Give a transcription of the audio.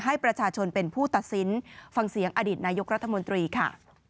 ให้ประชาชนเป็นผู้ตัดสินฟังเสียงอดีตนายกรัฐมนตรีค่ะ